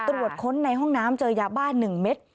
ตรวจค้นในห้องน้ำเจอยาบ้า๑เม็ด